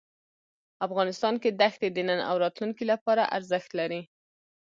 افغانستان کې دښتې د نن او راتلونکي لپاره ارزښت لري.